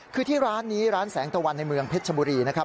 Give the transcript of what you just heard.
คือที่ร้านนี้ร้านแสงตะวันในเมืองเพชรชบุรีนะครับ